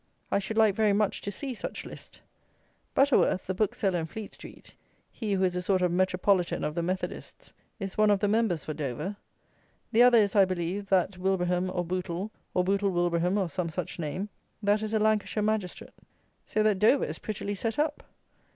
I should like very much to see such list. Butterworth, the bookseller in Fleet street; he who is a sort of metropolitan of the methodists, is one of the Members for Dover. The other is, I believe, that Wilbraham or Bootle or Bootle Wilbraham, or some such name, that is a Lancashire magistrate. So that Dover is prettily set up.